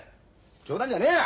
冗談じゃねえや！